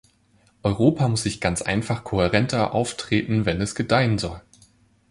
Europa muss sich ganz einfach kohärenter auftreten, wenn es gedeihen soll.